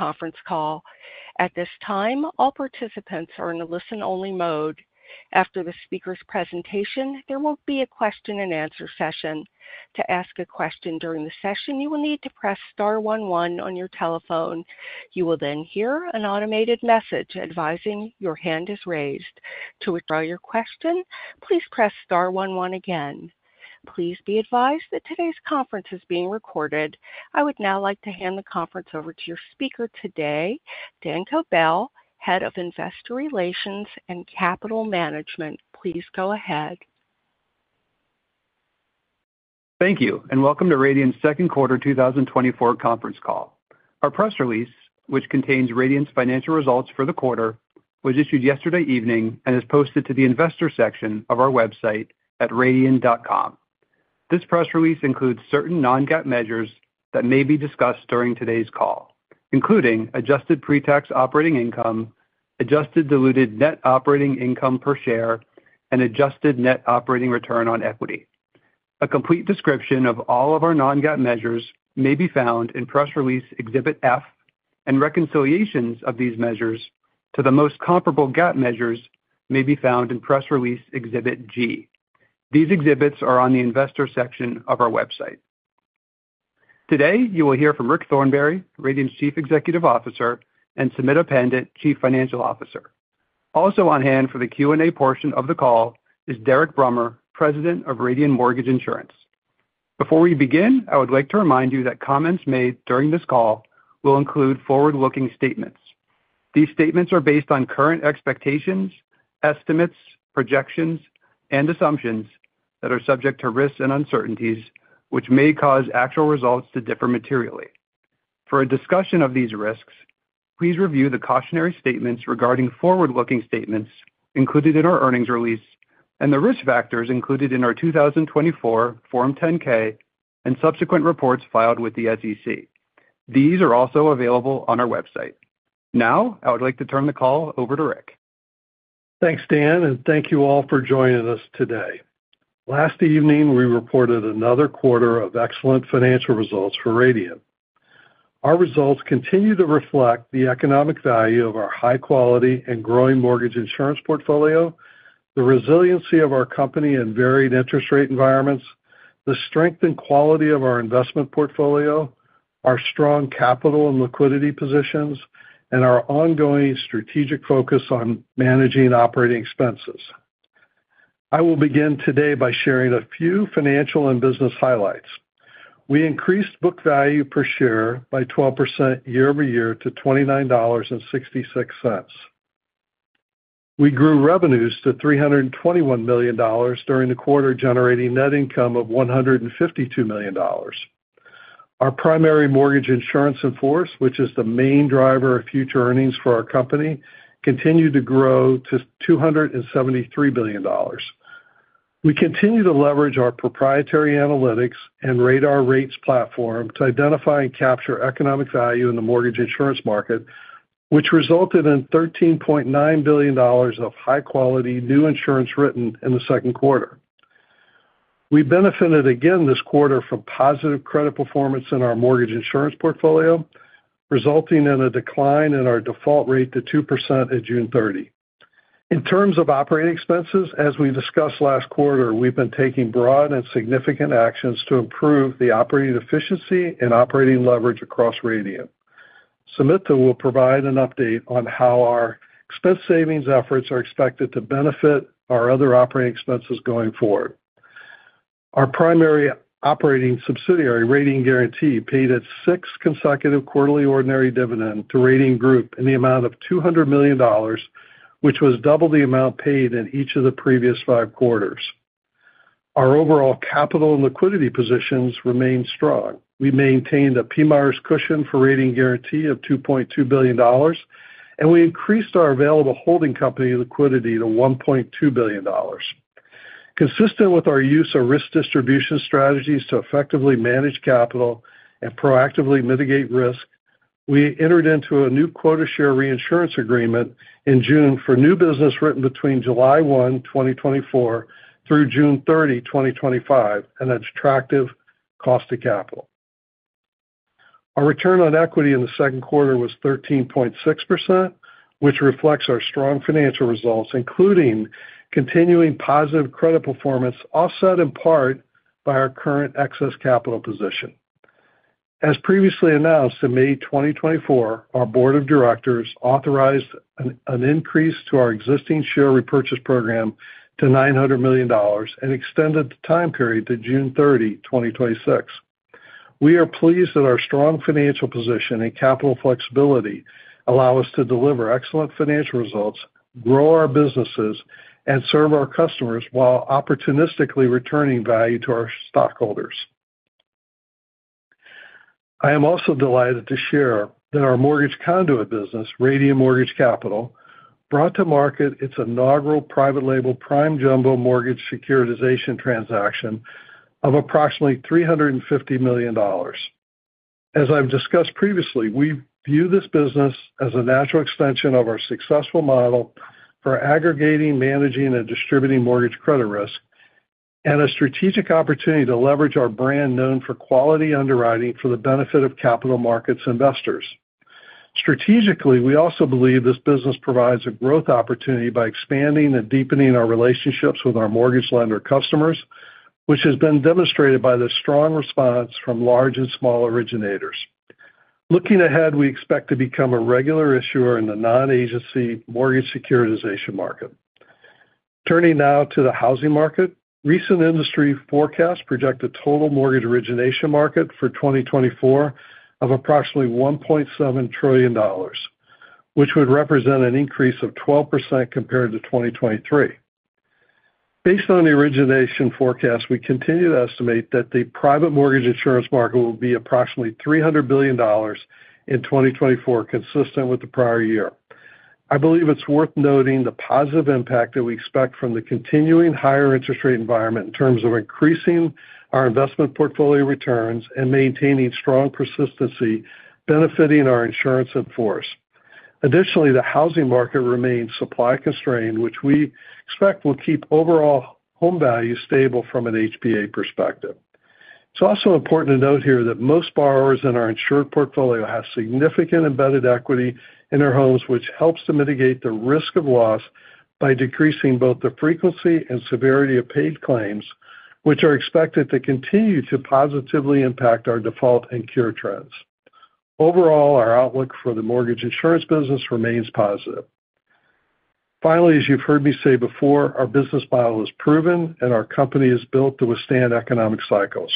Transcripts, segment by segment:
Conference call. At this time, all participants are in a listen-only mode. After the speaker's presentation, there will be a question-and-answer session. To ask a question during the session, you will need to press star one one on your telephone. You will then hear an automated message advising your hand is raised. To withdraw your question, please press star one one again. Please be advised that today's conference is being recorded. I would now like to hand the conference over to your speaker today, Dan Kobell, Head of Investor Relations and Capital Management. Please go ahead. Thank you, and welcome to Radian's second quarter 2024 conference call. Our press release, which contains Radian's financial results for the quarter, was issued yesterday evening and is posted to the investor section of our website at radian.com. This press release includes certain non-GAAP measures that may be discussed during today's call, including adjusted pretax operating income, adjusted diluted net operating income per share, and adjusted net operating return on equity. A complete description of all of our non-GAAP measures may be found in press release Exhibit F, and reconciliations of these measures to the most comparable GAAP measures may be found in press release Exhibit G. These exhibits are on the investor section of our website. Today, you will hear from Rick Thornberry, Radian's Chief Executive Officer, and Sumita Pandit, Chief Financial Officer. Also on hand for the Q&A portion of the call is Derek Brummer, President of Radian Mortgage Insurance. Before we begin, I would like to remind you that comments made during this call will include forward-looking statements. These statements are based on current expectations, estimates, projections, and assumptions that are subject to risks and uncertainties, which may cause actual results to differ materially. For a discussion of these risks, please review the cautionary statements regarding forward-looking statements included in our earnings release and the risk factors included in our 2024 Form 10-K and subsequent reports filed with the SEC. These are also available on our website. Now, I would like to turn the call over to Rick. Thanks, Dan, and thank you all for joining us today. Last evening, we reported another quarter of excellent financial results for Radian. Our results continue to reflect the economic value of our high quality and growing mortgage insurance portfolio, the resiliency of our company in varied interest rate environments, the strength and quality of our investment portfolio, our strong capital and liquidity positions, and our ongoing strategic focus on managing operating expenses. I will begin today by sharing a few financial and business highlights. We increased book value per share by 12% year-over-year to $29.66. We grew revenues to $321 million during the quarter, generating net income of $152 million. Our primary mortgage insurance in force, which is the main driver of future earnings for our company, continued to grow to $273 billion. We continue to leverage our proprietary analytics and Radar Rates platform to identify and capture economic value in the mortgage insurance market, which resulted in $13.9 billion of high-quality new insurance written in the second quarter. We benefited again this quarter from positive credit performance in our mortgage insurance portfolio, resulting in a decline in our default rate to 2% at June 30. In terms of operating expenses, as we discussed last quarter, we've been taking broad and significant actions to improve the operating efficiency and operating leverage across Radian. Sumita will provide an update on how our expense savings efforts are expected to benefit our other operating expenses going forward. Our primary operating subsidiary, Radian Guaranty, paid its sixth consecutive quarterly ordinary dividend to Radian Group in the amount of $200 million, which was double the amount paid in each of the previous five quarters. Our overall capital and liquidity positions remain strong. We maintained a PMIERs cushion for Radian Guaranty of $2.2 billion, and we increased our available holding company liquidity to $1.2 billion. Consistent with our use of risk distribution strategies to effectively manage capital and proactively mitigate risk, we entered into a new quota share reinsurance agreement in June for new business written between July 1, 2024, through June 30, 2025, an attractive cost of capital. Our return on equity in the second quarter was 13.6%, which reflects our strong financial results, including continuing positive credit performance, offset in part by our current excess capital position. As previously announced, in May 2024, our board of directors authorized an increase to our existing share repurchase program to $900 million and extended the time period to June 30, 2026. We are pleased that our strong financial position and capital flexibility allow us to deliver excellent financial results, grow our businesses, and serve our customers while opportunistically returning value to our stockholders. I am also delighted to share that our mortgage conduit business, Radian Mortgage Capital, brought to market its inaugural private label Prime Jumbo mortgage securitization transaction of approximately $350 million. As I've discussed previously, we view this business as a natural extension of our successful model for aggregating, managing, and distributing mortgage credit risk... and a strategic opportunity to leverage our brand, known for quality underwriting for the benefit of capital markets investors. Strategically, we also believe this business provides a growth opportunity by expanding and deepening our relationships with our mortgage lender customers, which has been demonstrated by the strong response from large and small originators. Looking ahead, we expect to become a regular issuer in the non-agency mortgage securitization market. Turning now to the housing market. Recent industry forecasts project a total mortgage origination market for 2024 of approximately $1.7 trillion, which would represent an increase of 12% compared to 2023. Based on the origination forecast, we continue to estimate that the private mortgage insurance market will be approximately $300 billion in 2024, consistent with the prior year. I believe it's worth noting the positive impact that we expect from the continuing higher interest rate environment, in terms of increasing our investment portfolio returns and maintaining strong persistency, benefiting our insurance in force. Additionally, the housing market remains supply-constrained, which we expect will keep overall home values stable from an HPA perspective. It's also important to note here that most borrowers in our insured portfolio have significant embedded equity in their homes, which helps to mitigate the risk of loss by decreasing both the frequency and severity of paid claims, which are expected to continue to positively impact our default and cure trends. Overall, our outlook for the mortgage insurance business remains positive. Finally, as you've heard me say before, our business model is proven, and our company is built to withstand economic cycles.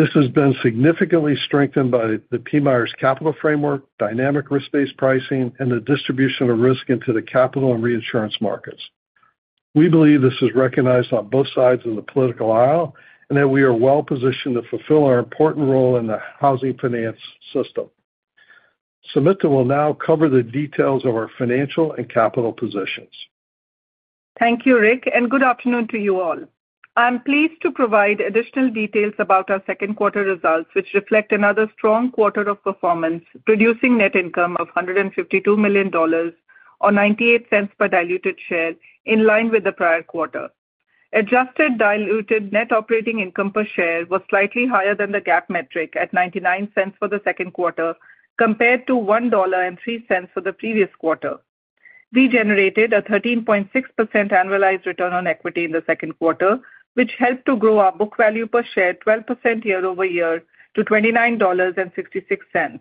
This has been significantly strengthened by the PMIERs capital framework, dynamic risk-based pricing, and the distribution of risk into the capital and reinsurance markets. We believe this is recognized on both sides of the political aisle, and that we are well-positioned to fulfill our important role in the housing finance system. Sumita will now cover the details of our financial and capital positions. Thank you, Rick, and good afternoon to you all. I'm pleased to provide additional details about our second quarter results, which reflect another strong quarter of performance, producing net income of $152 million, or $0.98 per diluted share, in line with the prior quarter. Adjusted diluted net operating income per share was slightly higher than the GAAP metric, at $0.99 for the second quarter, compared to $1.03 for the previous quarter. We generated a 13.6% annualized return on equity in the second quarter, which helped to grow our book value per share 12% year-over-year to $29.66.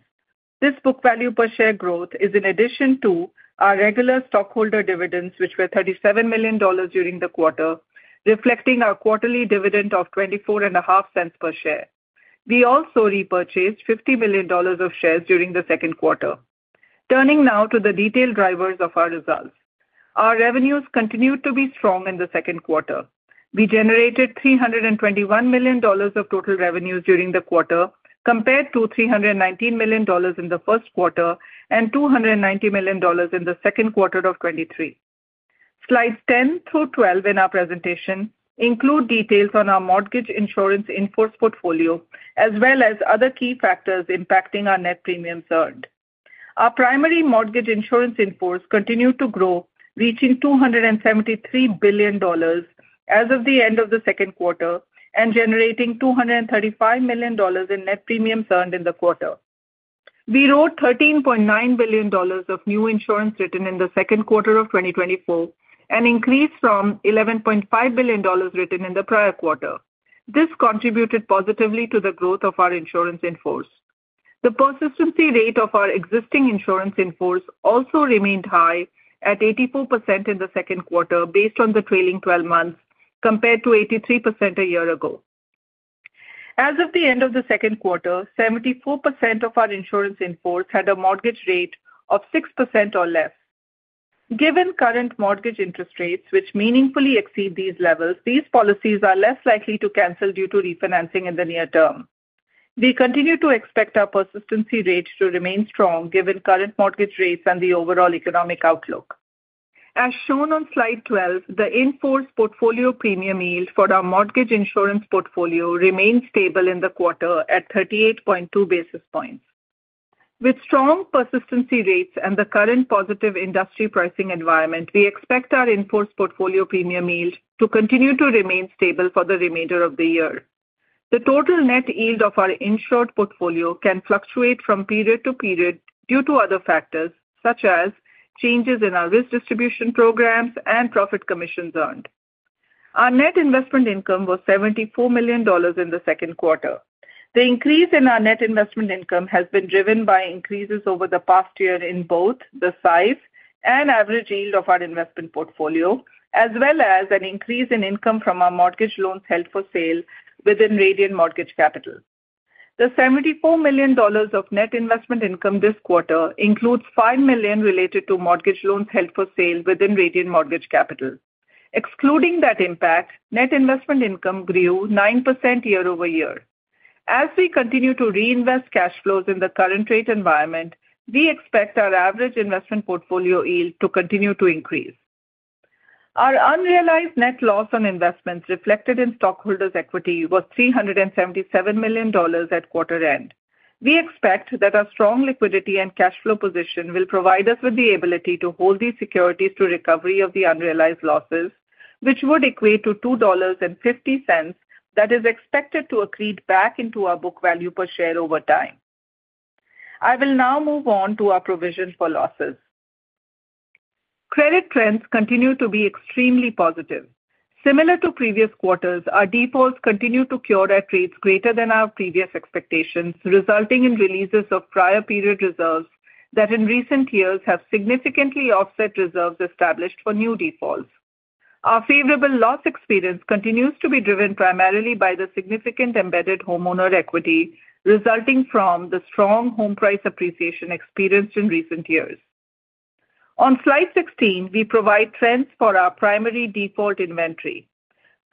This book value per share growth is in addition to our regular stockholder dividends, which were $37 million during the quarter, reflecting our quarterly dividend of $0.245 per share. We also repurchased $50 million of shares during the second quarter. Turning now to the detailed drivers of our results. Our revenues continued to be strong in the second quarter. We generated $321 million of total revenues during the quarter, compared to $319 million in the first quarter and $290 million in the second quarter of 2023. Slides 10 through 12 in our presentation include details on our mortgage insurance in-force portfolio, as well as other key factors impacting our net premiums earned. Our primary mortgage insurance in-force continued to grow, reaching $273 billion as of the end of the second quarter, and generating $235 million in net premiums earned in the quarter. We wrote $13.9 billion of new insurance written in the second quarter of 2024, an increase from $11.5 billion written in the prior quarter. This contributed positively to the growth of our insurance in-force. The persistency rate of our existing insurance in-force also remained high at 84% in the second quarter, based on the trailing twelve months, compared to 83% a year ago. As of the end of the second quarter, 74% of our insurance in-force had a mortgage rate of 6% or less. Given current mortgage interest rates, which meaningfully exceed these levels, these policies are less likely to cancel due to refinancing in the near term. We continue to expect our persistency rates to remain strong, given current mortgage rates and the overall economic outlook. As shown on slide 12, the in-force portfolio premium yield for our mortgage insurance portfolio remained stable in the quarter at 38.2 basis points. With strong persistency rates and the current positive industry pricing environment, we expect our in-force portfolio premium yield to continue to remain stable for the remainder of the year. The total net yield of our insured portfolio can fluctuate from period to period due to other factors, such as changes in our risk distribution programs and profit commissions earned. Our net investment income was $74 million in the second quarter. The increase in our net investment income has been driven by increases over the past year in both the size and average yield of our investment portfolio, as well as an increase in income from our mortgage loans held for sale within Radian Mortgage Capital. The $74 million of net investment income this quarter includes $5 million related to mortgage loans held for sale within Radian Mortgage Capital. Excluding that impact, net investment income grew 9% year-over-year. As we continue to reinvest cash flows in the current rate environment, we expect our average investment portfolio yield to continue to increase. Our unrealized net loss on investments reflected in stockholders' equity was $377 million at quarter end. We expect that our strong liquidity and cash flow position will provide us with the ability to hold these securities to recovery of the unrealized losses, which would equate to $2.50 that is expected to accrete back into our book value per share over time. I will now move on to our provision for losses. Credit trends continue to be extremely positive. Similar to previous quarters, our defaults continue to cure at rates greater than our previous expectations, resulting in releases of prior period reserves that in recent years have significantly offset reserves established for new defaults. Our favorable loss experience continues to be driven primarily by the significant embedded homeowner equity, resulting from the strong home price appreciation experienced in recent years. On slide 16, we provide trends for our primary default inventory.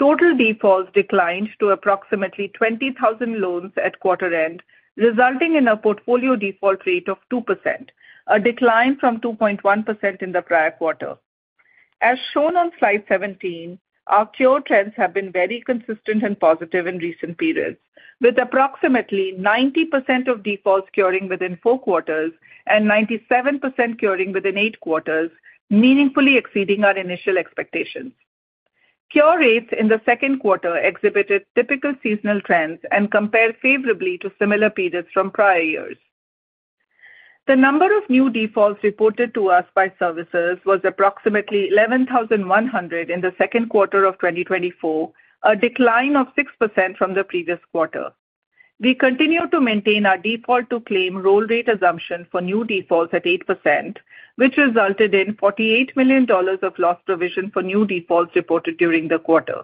Total defaults declined to approximately 20,000 loans at quarter end, resulting in a portfolio default rate of 2%, a decline from 2.1% in the prior quarter. As shown on slide 17, our cure trends have been very consistent and positive in recent periods, with approximately 90% of defaults curing within four quarters and 97% curing within eight quarters, meaningfully exceeding our initial expectations. Cure rates in the second quarter exhibited typical seasonal trends and compared favorably to similar periods from prior years. The number of new defaults reported to us by servicers was approximately 11,100 in the second quarter of 2024, a decline of 6% from the previous quarter. We continue to maintain our default to claim roll rate assumption for new defaults at 8%, which resulted in $48 million of loss provision for new defaults reported during the quarter.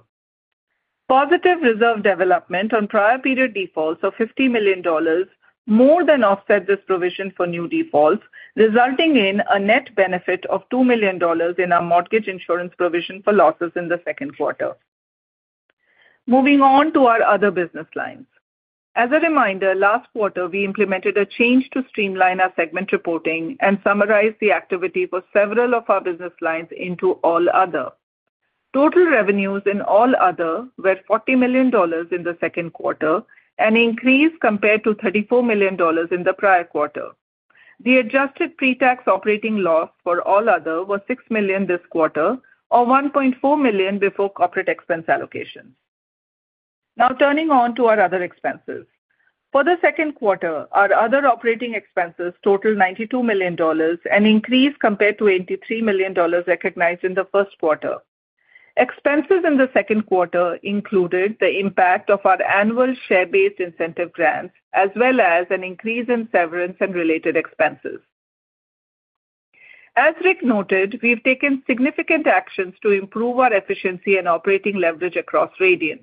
Positive reserve development on prior period defaults of $50 million more than offset this provision for new defaults, resulting in a net benefit of $2 million in our mortgage insurance provision for losses in the second quarter. Moving on to our other business lines. As a reminder, last quarter, we implemented a change to streamline our segment reporting and summarize the activity for several of our business lines into All Other. Total revenues in All Other were $40 million in the second quarter, an increase compared to $34 million in the prior quarter. The adjusted pre-tax operating loss for All Other was $6 million this quarter, or $1.4 million before corporate expense allocation. Now turning to our other expenses. For the second quarter, our other operating expenses totaled $92 million, an increase compared to $83 million recognized in the first quarter. Expenses in the second quarter included the impact of our annual share-based incentive grants, as well as an increase in severance and related expenses. As Rick noted, we've taken significant actions to improve our efficiency and operating leverage across Radian.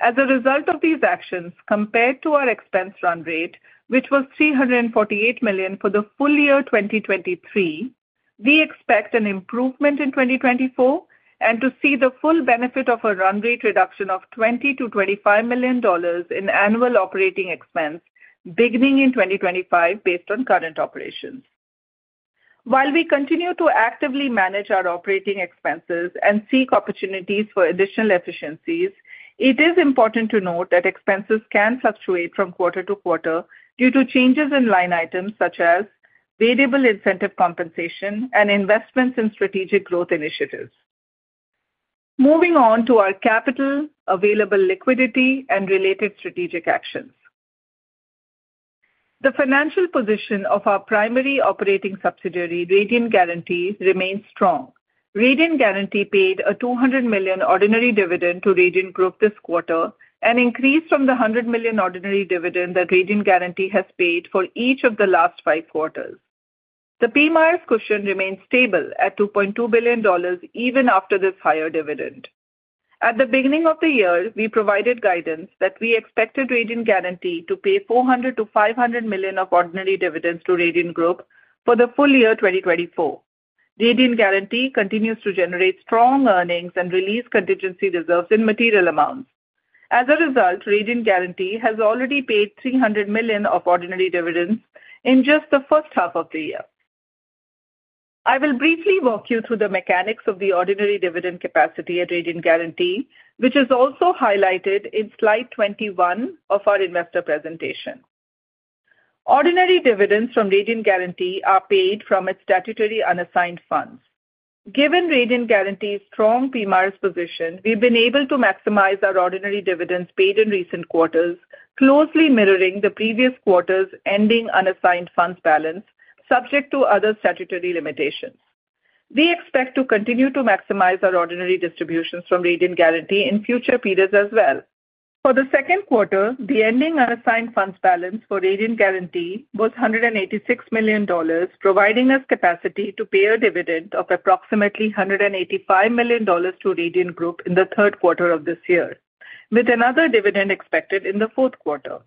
As a result of these actions, compared to our expense run rate, which was $348 million for the full year 2023, we expect an improvement in 2024 and to see the full benefit of a run rate reduction of $20-$25 million in annual operating expense beginning in 2025, based on current operations. While we continue to actively manage our operating expenses and seek opportunities for additional efficiencies, it is important to note that expenses can fluctuate from quarter to quarter due to changes in line items such as variable incentive compensation and investments in strategic growth initiatives. Moving on to our capital, available liquidity, and related strategic actions. The financial position of our primary operating subsidiary, Radian Guaranty, remains strong. Radian Guaranty paid a $200 million ordinary dividend to Radian Group this quarter, an increase from the $100 million ordinary dividend that Radian Guaranty has paid for each of the last five quarters. The PMIERs cushion remains stable at $2.2 billion even after this higher dividend. At the beginning of the year, we provided guidance that we expected Radian Guaranty to pay $400 million-$500 million of ordinary dividends to Radian Group for the full year 2024. Radian Guaranty continues to generate strong earnings and release contingency reserves in material amounts. As a result, Radian Guaranty has already paid $300 million of ordinary dividends in just the first half of the year. I will briefly walk you through the mechanics of the ordinary dividend capacity at Radian Guaranty, which is also highlighted in slide 21 of our investor presentation. Ordinary dividends from Radian Guaranty are paid from its statutory unassigned funds. Given Radian Guaranty's strong PMIERs position, we've been able to maximize our ordinary dividends paid in recent quarters, closely mirroring the previous quarters, ending unassigned funds balance subject to other statutory limitations. We expect to continue to maximize our ordinary distributions from Radian Guaranty in future periods as well. For the second quarter, the ending unassigned funds balance for Radian Guaranty was $186 million, providing us capacity to pay a dividend of approximately $185 million to Radian Group in the third quarter of this year, with another dividend expected in the fourth quarter.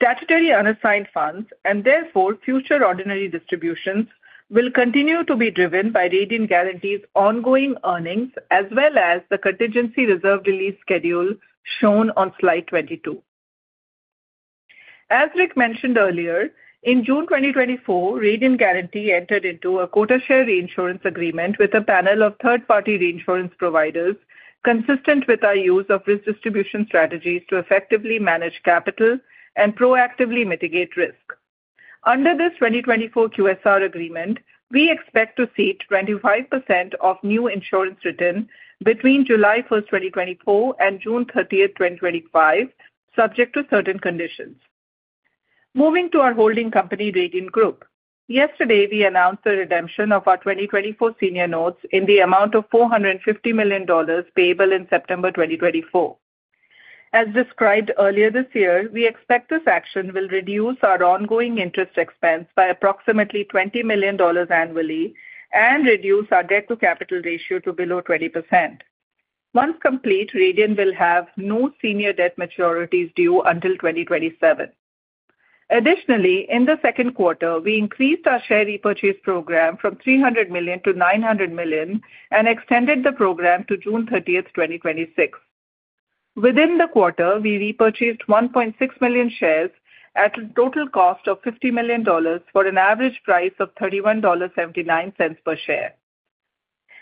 Statutory unassigned funds, and therefore future ordinary distributions, will continue to be driven by Radian Guaranty's ongoing earnings, as well as the contingency reserve release schedule shown on slide 22. As Rick mentioned earlier, in June 2024, Radian Guaranty entered into a quota share reinsurance agreement with a panel of third-party reinsurance providers, consistent with our use of risk distribution strategies to effectively manage capital and proactively mitigate risk. Under this 2024 QSR agreement, we expect to see 25% of new insurance written between July 1, 2024, and June 30, 2025, subject to certain conditions. Moving to our holding company, Radian Group. Yesterday, we announced the redemption of our 2024 senior notes in the amount of $450 million, payable in September 2024. As described earlier this year, we expect this action will reduce our ongoing interest expense by approximately $20 million annually and reduce our debt-to-capital ratio to below 20%. Once complete, Radian will have no senior debt maturities due until 2027. Additionally, in the second quarter, we increased our share repurchase program from $300 million to $900 million and extended the program to June 30, 2026. Within the quarter, we repurchased 1.6 million shares at a total cost of $50 million, for an average price of $31.79 per share.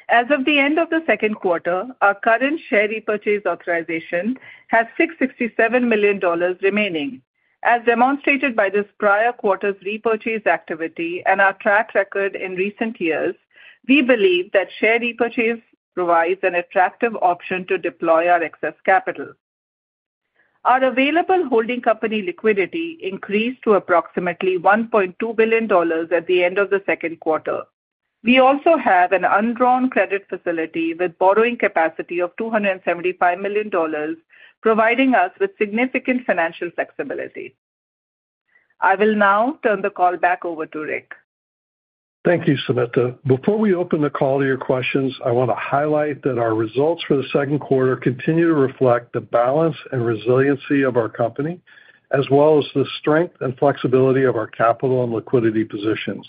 As of the end of the second quarter, our current share repurchase authorization has $667 million remaining. As demonstrated by this prior quarter's repurchase activity and our track record in recent years, we believe that share repurchase provides an attractive option to deploy our excess capital. Our available holding company liquidity increased to approximately $1.2 billion at the end of the second quarter. We also have an undrawn credit facility with borrowing capacity of $275 million, providing us with significant financial flexibility. I will now turn the call back over to Rick. Thank you, Sumita. Before we open the call to your questions, I want to highlight that our results for the second quarter continue to reflect the balance and resiliency of our company, as well as the strength and flexibility of our capital and liquidity positions.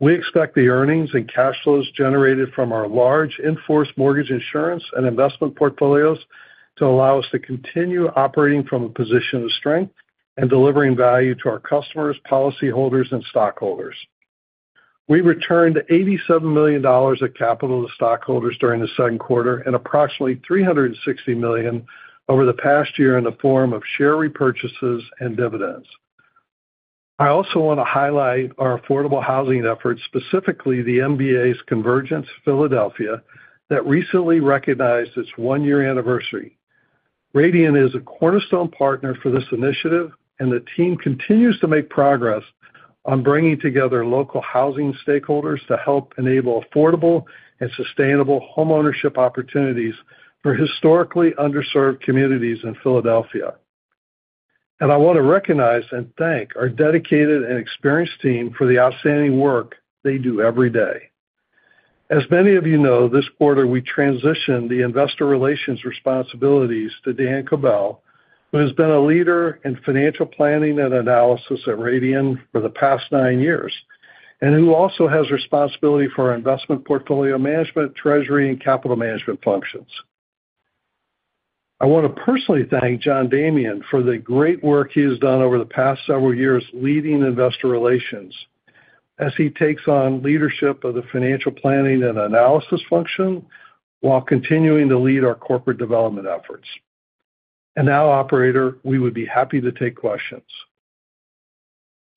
We expect the earnings and cash flows generated from our large in-force mortgage insurance and investment portfolios to allow us to continue operating from a position of strength and delivering value to our customers, policyholders, and stockholders. We returned $87 million of capital to stockholders during the second quarter and approximately $360 million over the past year in the form of share repurchases and dividends. I also want to highlight our affordable housing efforts, specifically the MBA's Convergence Philadelphia, that recently recognized its one-year anniversary. Radian is a cornerstone partner for this initiative, and the team continues to make progress on bringing together local housing stakeholders to help enable affordable and sustainable homeownership opportunities for historically underserved communities in Philadelphia. I want to recognize and thank our dedicated and experienced team for the outstanding work they do every day. As many of you know, this quarter, we transitioned the investor relations responsibilities to Dan Kobell, who has been a leader in financial planning and analysis at Radian for the past nine years, and who also has responsibility for our investment portfolio management, treasury, and capital management functions. I want to personally thank John Damian for the great work he has done over the past several years, leading investor relations, as he takes on leadership of the financial planning and analysis function while continuing to lead our corporate development efforts. Now, operator, we would be happy to take questions.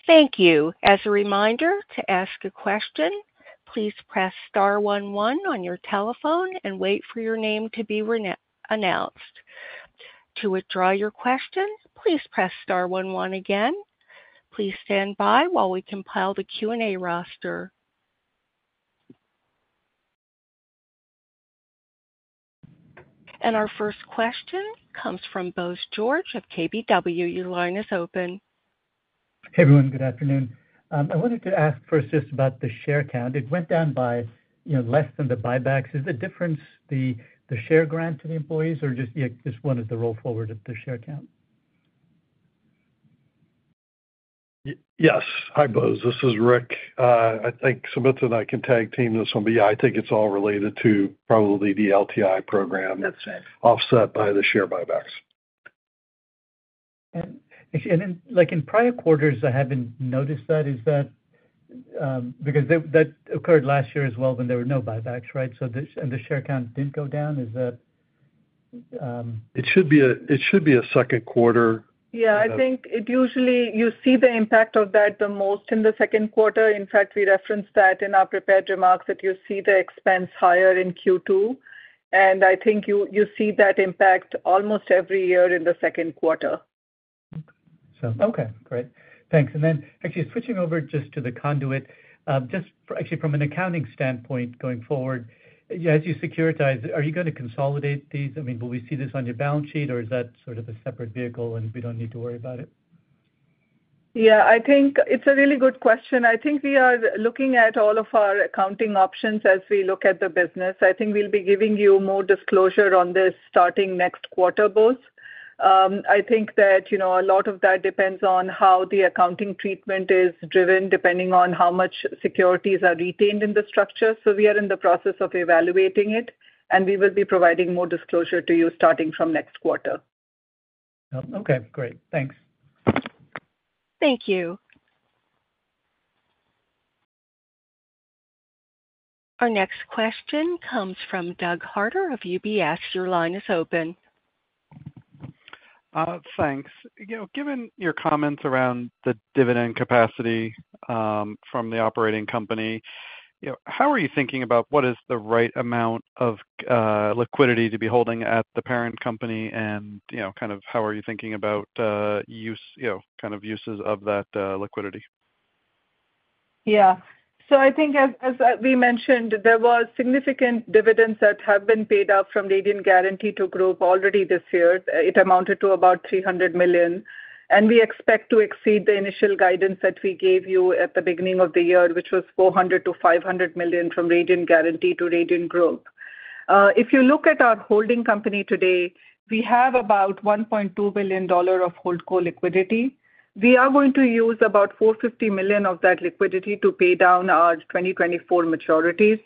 Thank you. As a reminder, to ask a question, please press star one one on your telephone and wait for your name to be announced. To withdraw your question, please press star one one again. Please stand by while we compile the Q&A roster. Our first question comes from Bose George of KBW. Your line is open. Hey, everyone. Good afternoon. I wanted to ask first just about the share count. It went down by, you know, less than the buybacks. Is the difference the, the share grant to the employees or just, yeah, just what is the roll-forward of the share count? Yes. Hi, Bose, this is Rick. I think Sumita and I can tag-team this one, but yeah, I think it's all related to probably the LTI program- That's it. Offset by the share buybacks. And then, like, in prior quarters, I haven't noticed that. Is that because that, that occurred last year as well when there were no buybacks, right? So this and the share count didn't go down, is that It should be a second quarter. Yeah, I think it usually you see the impact of that the most in the second quarter. In fact, we referenced that in our prepared remarks, that you see the expense higher in Q2, and I think you see that impact almost every year in the second quarter. So, okay, great. Thanks. And then actually switching over just to the conduit, just actually from an accounting standpoint going forward, yeah, as you securitize, are you gonna consolidate these? I mean, will we see this on your balance sheet, or is that sort of a separate vehicle and we don't need to worry about it? Yeah, I think it's a really good question. I think we are looking at all of our accounting options as we look at the business. I think we'll be giving you more disclosure on this starting next quarter, Bose. I think that, you know, a lot of that depends on how the accounting treatment is driven, depending on how much securities are retained in the structure. So we are in the process of evaluating it, and we will be providing more disclosure to you starting from next quarter. Oh, okay. Great. Thanks. Thank you. Our next question comes from Doug Harter of UBS. Your line is open. Thanks. You know, given your comments around the dividend capacity from the operating company, you know, how are you thinking about what is the right amount of liquidity to be holding at the parent company? You know, kind of how are you thinking about uses of that liquidity? Yeah. So I think as we mentioned, there was significant dividends that have been paid out from Radian Guaranty to Group already this year. It amounted to about $300 million, and we expect to exceed the initial guidance that we gave you at the beginning of the year, which was $400 million-$500 million from Radian Guaranty to Radian Group. If you look at our holding company today, we have about $1.2 billion dollar of holdco liquidity. We are going to use about $450 million of that liquidity to pay down our 2024 maturities.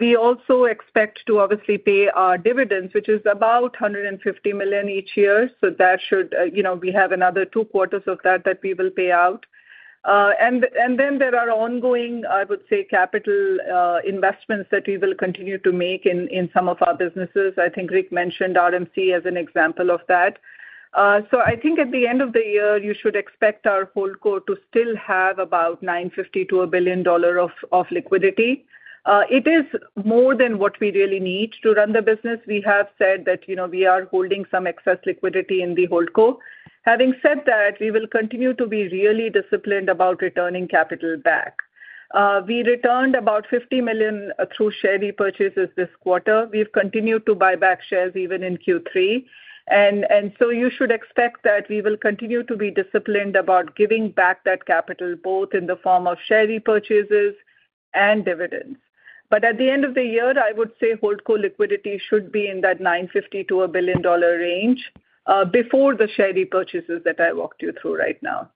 We also expect to obviously pay our dividends, which is about $150 million each year, so that should, you know, we have another two quarters of that, that we will pay out. And then there are ongoing, I would say, capital investments that we will continue to make in some of our businesses. I think Rick mentioned RMC as an example of that. So I think at the end of the year, you should expect our holdco to still have about $950 million-$1 billion of liquidity. It is more than what we really need to run the business. We have said that, you know, we are holding some excess liquidity in the holdco. Having said that, we will continue to be really disciplined about returning capital back. We returned about $50 million through share repurchases this quarter. We've continued to buy back shares even in Q3. So you should expect that we will continue to be disciplined about giving back that capital, both in the form of share repurchases and dividends. But at the end of the year, I would say holdco liquidity should be in that $950 million-$1 billion range, before the share repurchases that I walked you through right now.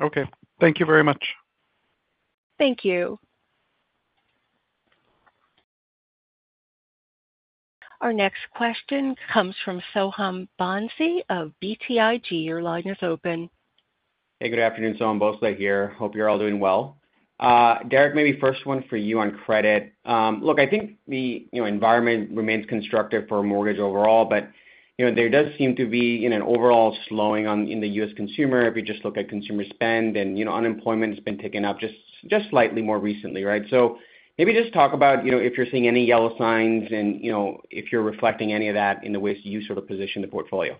Okay, thank you very much. Thank you. Our next question comes from Soham Bhonsle of BTIG. Your line is open. Hey, good afternoon. Soham Bhonsle here. Hope you're all doing well. Derek, maybe first one for you on credit. Look, I think the, you know, environment remains constructive for mortgage overall, but, you know, there does seem to be an overall slowing in the U.S. consumer, if you just look at consumer spend and, you know, unemployment has been ticking up just slightly more recently, right? So maybe just talk about, you know, if you're seeing any yellow signs and, you know, if you're reflecting any of that in the ways you sort of position the portfolio.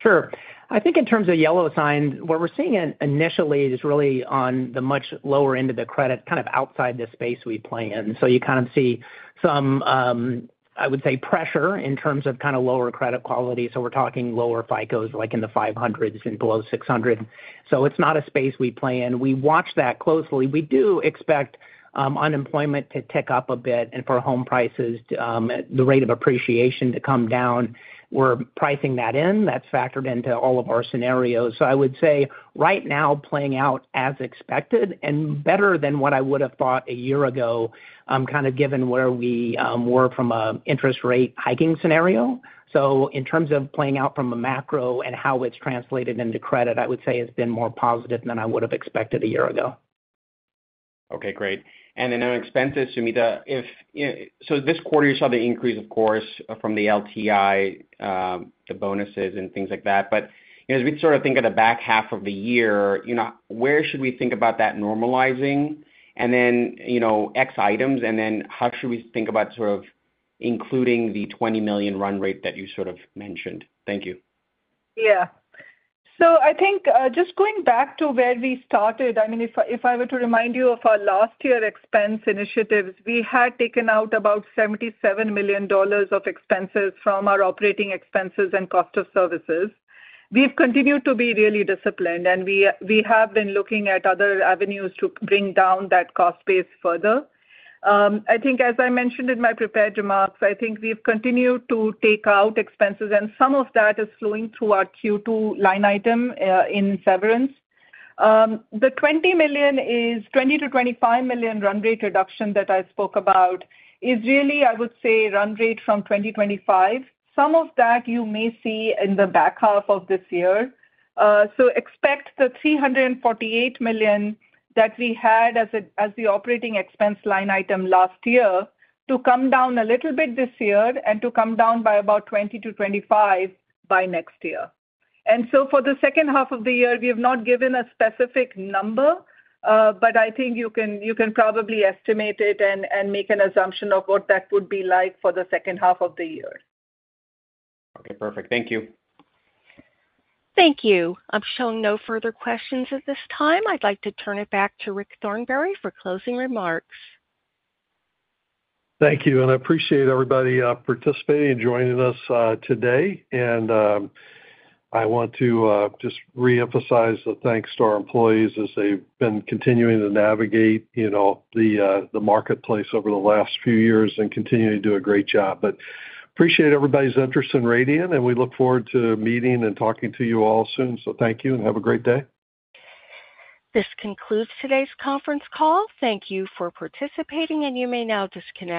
Sure. I think in terms of yellow signs, what we're seeing initially is really on the much lower end of the credit, kind of outside the space we play in. So you kind of see some, I would say, pressure in terms of kind of lower credit quality. So we're talking lower FICOs, like in the 500s and below 600. So it's not a space we play in. We watch that closely. We do expect unemployment to tick up a bit and for home prices to, the rate of appreciation to come down. We're pricing that in. That's factored into all of our scenarios. So I would say right now, playing out as expected and better than what I would have thought a year ago, kind of given where we were from a interest rate hiking scenario. In terms of playing out from a macro and how it's translated into credit, I would say it's been more positive than I would have expected a year ago. Okay, great. And then on expenses, Sumita, so this quarter, you saw the increase, of course, from the LTI, the bonuses and things like that. But, you know, as we sort of think of the back half of the year, you know, where should we think about that normalizing? And then, you know, X items, and then how should we think about sort of including the $20 million run rate that you sort of mentioned? Thank you. Yeah. So I think, just going back to where we started, I mean, if I were to remind you of our last year expense initiatives, we had taken out about $77 million of expenses from our operating expenses and cost of services. We've continued to be really disciplined, and we have been looking at other avenues to bring down that cost base further. I think as I mentioned in my prepared remarks, I think we've continued to take out expenses, and some of that is flowing through our Q2 line item in severance. The $20 million is $20-$25 million run rate reduction that I spoke about is really, I would say, run rate from 2025. Some of that you may see in the back half of this year. So, expect the $348 million that we had as the operating expense line item last year to come down a little bit this year and to come down by about $20 million-$25 million by next year. And so for the second half of the year, we have not given a specific number, but I think you can probably estimate it and make an assumption of what that would be like for the second half of the year. Okay, perfect. Thank you. Thank you. I'm showing no further questions at this time. I'd like to turn it back to Rick Thornberry for closing remarks. Thank you, and I appreciate everybody participating and joining us today. And I want to just reemphasize the thanks to our employees as they've been continuing to navigate, you know, the marketplace over the last few years and continuing to do a great job. But appreciate everybody's interest in Radian, and we look forward to meeting and talking to you all soon. So thank you, and have a great day. This concludes today's conference call. Thank you for participating, and you may now disconnect.